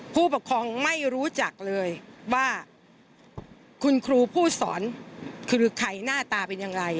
ผู้ปกครองไม่รู้จักเลยว่าคุณครูผู้สอนคือใครหน้าตาเป็นอย่างไร